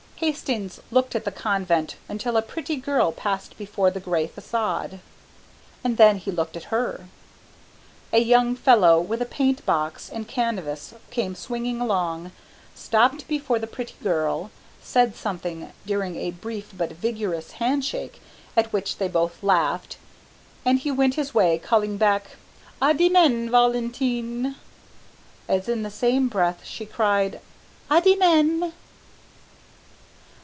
Hastings looked at the Convent until a pretty girl passed before the gray façade, and then he looked at her. A young fellow with a paint box and canvas came swinging along, stopped before the pretty girl, said something during a brief but vigorous handshake at which they both laughed, and he went his way, calling back, "À demain Valentine!" as in the same breath she cried, "À demain!"